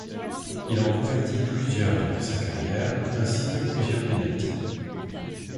Il en convertit plusieurs durant sa carrière, ainsi que plusieurs penaltys.